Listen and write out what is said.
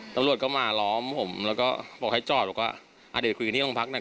ตำรวจก็มาล้อมผมแล้วก็บอกให้จอดบอกว่าอ่ะเดี๋ยวคุยกันที่โรงพักหน่อย